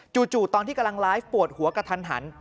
ตอนที่กำลังไลฟ์ปวดหัวกระทันหัน